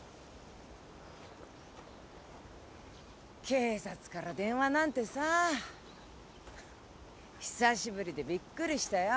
警察から電話なんてさ久しぶりでびっくりしたよ。